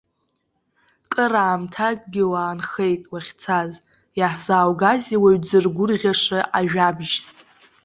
Кыраамҭагьы унхеит уахьцаз, иаҳзааугазеи уаҩ дзыргәырӷьаша ажәабжьс?